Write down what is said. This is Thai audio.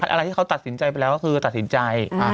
อะไรที่เขาตัดสินใจไปแล้วก็คือตัดสินใจ